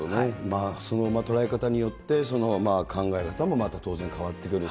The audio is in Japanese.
その捉え方によって、その考え方もまた当然変わってくる。